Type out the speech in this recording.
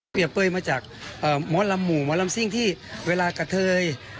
เป้ยมาจากหมอลำหมู่หมอลำซิ่งที่เวลากระเทย